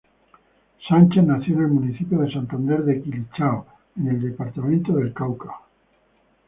Sánchez nació en el municipio de Santander de Quilichao en el departamento del Cauca.